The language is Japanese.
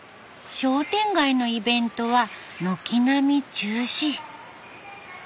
商店街のイベントは軒並み中止。